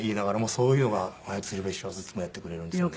そういうのが鶴瓶師匠はいつもやってくれるんですよね。